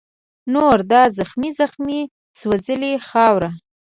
نور دا زخمې زخمي سوځلې خاوره